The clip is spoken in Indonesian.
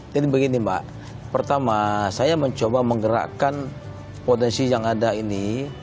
jadi begini mbak pertama saya mencoba menggerakkan potensi yang ada ini